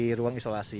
di ruang isolasi